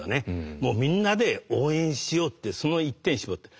もうみんなで応援しようっていうその一点に絞っている。